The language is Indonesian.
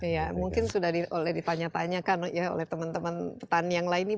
ya mungkin sudah ditanya tanyakan ya oleh teman teman petani yang lainnya